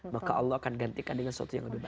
maka allah akan gantikan dengan sesuatu yang lebih baik